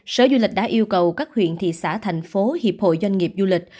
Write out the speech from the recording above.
sở du lịch đã yêu cầu các huyện thị xã thành phố hiệp hội doanh nghiệp du lịch